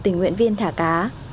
tình nguyện viên thả cá